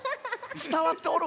つたわっておる？